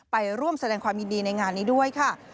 ไปร่วมแสดงความยินดีในงานนี้ด้วยค่ะ